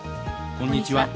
こんにちは。